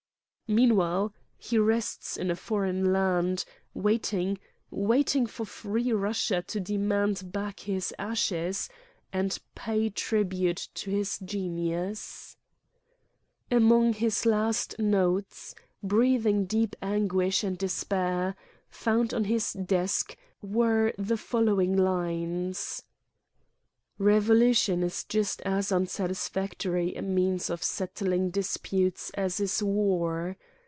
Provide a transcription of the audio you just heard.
"Meanwhile he rests in a foreign land, waiting waiting for Free Russia to demand back his ashes, and pay tribute to his genius/' Among his last notes, breathing deep anguish and despair, found on his desk, were the follow ing lines :" Revolution is just as unsatisfactory a means of settling disputes as is war.